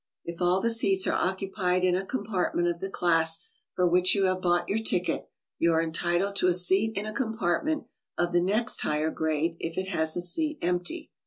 If all the seats are occupied in a compartment of the class for which you have bought your ticket, you are entitled to a seat in a compartment of the next higher grade if it has a seat empty.